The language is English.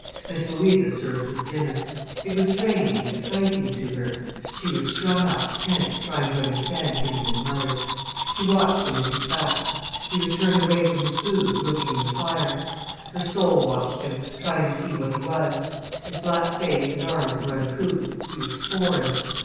Miss Louisa served his dinner. It was strange and exciting to her. She was strung up tense, trying to understand him and his mother. She watched him as he sat. He was turned away from his food, looking in the fire. Her soul watched him, trying to see what he was. His black face and arms were uncouth, he was foreign.